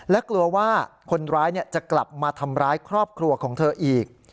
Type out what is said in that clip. และกลัวว่าคนร้ายจะกลับมาทำร้ายครอบครัวของเธออีก